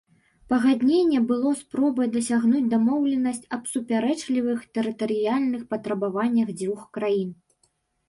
Пагадненне было спробай дасягнуць дамоўленасці аб супярэчлівых тэрытарыяльных патрабаваннях дзвюх краін.